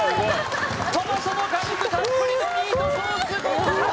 トマトの果肉たっぷりのミートソース合格！